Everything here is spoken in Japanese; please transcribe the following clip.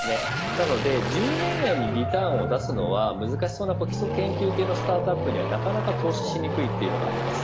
なので１０年以内にリターンを出すのは難しそうな基礎研究系のスタートアップにはなかなか投資しにくいというのがあります。